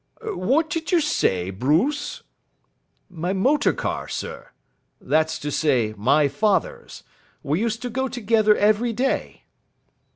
What did you say, Bruce?" "My motor car, sir. That's to say, my father's. We used to go together every day."